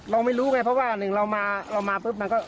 เราไม่รู้ไงเพราะว่าหนึ่งเรามาเรามาปุ๊บมันก็